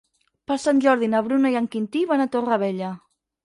Per Sant Jordi na Bruna i en Quintí van a Torrevella.